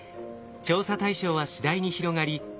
調査対象は次第に広がり